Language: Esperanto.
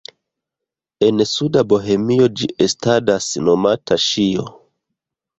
En suda Bohemio ĝi estadas nomata "ŝijo".